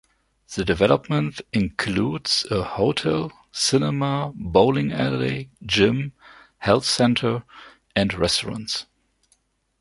The development includes a hotel, cinema, bowling alley, gym, health centre and restaurants.